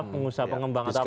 pengusaha pengembangan ataupun